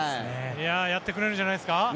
やってくれるんじゃないですか。